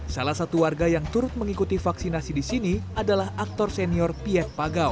salah satu warga yang turut mengikuti vaksinasi di sini adalah aktor senior piat pagau